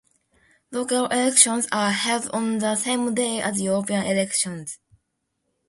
Local elections are held on the same day as European elections.